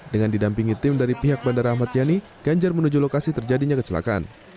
dengan didampingi tim dari pihak bandara ahmad yani ganjar menuju lokasi terjadinya kecelakaan